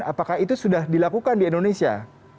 apakah itu sudah dilakukan di indonesia